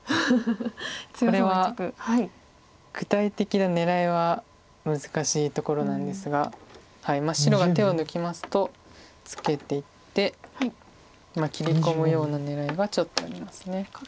これは具体的な狙いは難しいところなんですが白が手を抜きますとツケていって切り込むような狙いはちょっとあります。